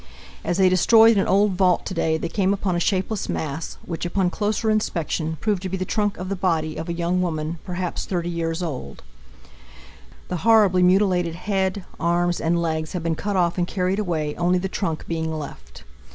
As they destroyed an old vault to day they came upon a shapeless mass, which, upon closer inspection, proved to be the trunk of the body of a young woman, perhaps 30 years old. The horribly mutilated head, arms, and legs had been cut off and carried away, only the trunk being left.